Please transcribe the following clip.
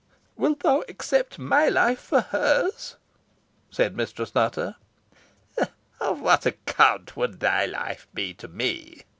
"Wilt thou accept my life for hers?" said Mistress Nutter. "Of what account would thy life be to me?"